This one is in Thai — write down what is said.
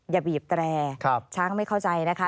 อย่าบีบแตรช้างไม่เข้าใจนะคะ